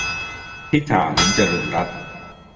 - พิธา ลิ้มเจริญรัตน์